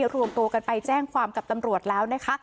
ทุกอย่างภูมิทรวงตัวกันไปแจ้งความกับตำรวจแล้วนะคะ